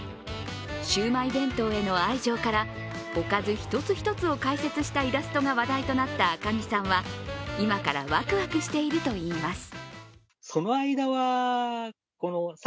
シウマイ弁当への愛情からおかず一つ一つを解説したイラストが話題となったあかぎさんは、今からワクワクしているといいます。